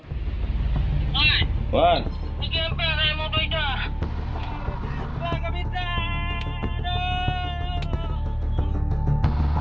dikempel saya motor itu